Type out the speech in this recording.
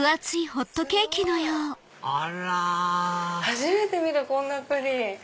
あら初めて見るこんなプリン。